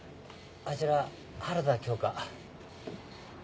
あちら原田教官。